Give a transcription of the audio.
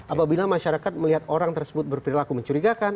apabila masyarakat melihat orang tersebut berperilaku mencurigakan